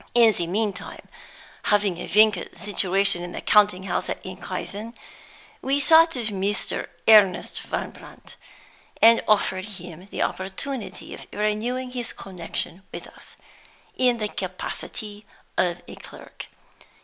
In the meantime, having a vacant situation in the counting house at Enkhuizen, we thought of Mr. Ernest Van Brandt, and offered him the opportunity of renewing his connection with us, in the capacity of a clerk.